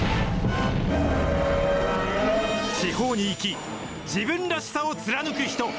地方に生き、自分らしさを貫く人。